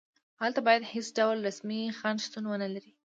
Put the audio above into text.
هلته باید هېڅ ډول رسمي خنډ شتون ونلري.